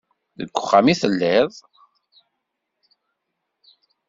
Deg uxxam i telliḍ.